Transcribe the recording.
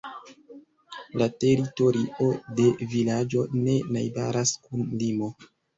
La teritorio de vilaĝo ne najbaras kun limo.